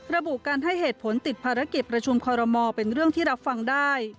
ระบุการให้เหตุผลติดภารกิจประชุมคอรมอลเป็นเรื่องที่รับฟังได้